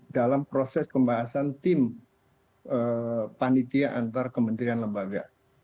dalam proses pembahasan tim panitia antar kementerian lembaga